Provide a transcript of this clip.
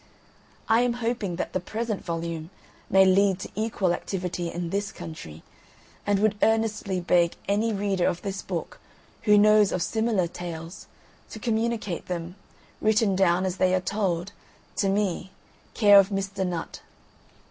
I am hoping that the present volume may lead to equal activity in this country, and would earnestly beg any reader of this book who knows of similar tales, to communicate them, written down as they are told, to me, care of Mr. Nutt.